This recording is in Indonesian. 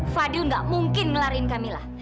fadil gak mungkin ngelarin camilla